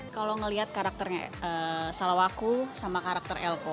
kalau ngelihat karakternya salawaku sama karakter elko